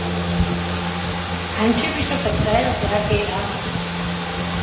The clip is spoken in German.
Ein typischer Vertreter der Gr.